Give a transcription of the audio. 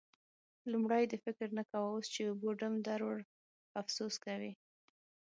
لومړی دې فکر نه کاوو؛ اوس چې اوبو ډم در وړ، افسوس کوې.